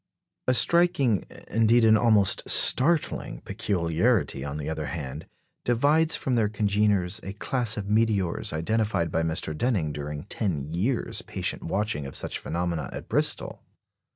A striking indeed, an almost startling peculiarity, on the other hand, divides from their congeners a class of meteors identified by Mr. Denning during ten years' patient watching of such phenomena at Bristol.